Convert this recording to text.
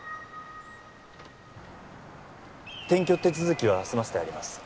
転居手続きは済ませてあります